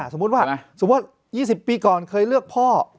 สมมุติว่าสมมุติ๒๐ปีก่อนเคยเลือกพ่อ